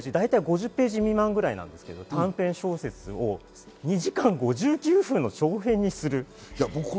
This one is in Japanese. だいたい５０ページ未満ぐらいなんですけれども短編小説を２時間５９分の長編にする。